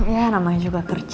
ya namanya juga kerja